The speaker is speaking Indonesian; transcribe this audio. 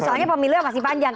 soalnya pemilihan masih panjang